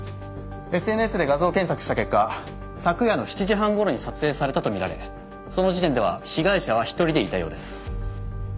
ＳＮＳで画像検索した結果昨夜の７時半頃に撮影されたとみられその時点では被害者は一人でいたようです。